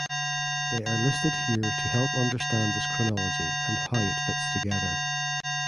They are listed here to help understand this chronology and how it fits together.